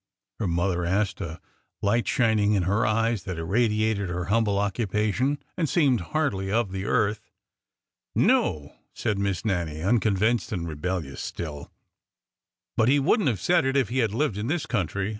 " her mother asked, a light shining in her eyes that irradiated her hum ble occupation and seemed hardly of the earth. No," said Miss Nannie, unconvinced and rebellious still ;" but he would n't have said it if he had lived in this country.